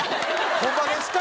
ホンマですか？